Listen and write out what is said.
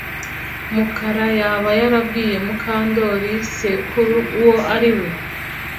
Mukara yaba yarabwiye Mukandoli sekuru uwo ari we